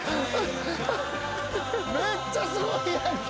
めっちゃすごいやんけ。